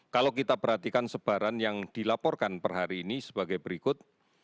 kalau kita perhatikan sebaran yang dilaporkan per hari ini sebagai berikut